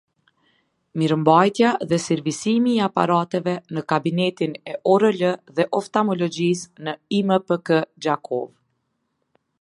Mirembajtja dhe servisimi i aparateve ne kabineti e orl dhe oftamologjise ne impk-gjakovë